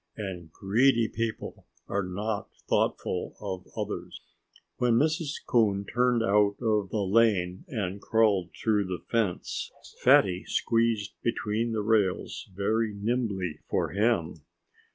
And greedy people are not thoughtful of others. When Mrs. Coon turned out of the lane and crawled through the fence, Fatty squeezed between the rails very nimbly, for him.